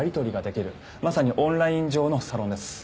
まさにオンライン上のサロンです。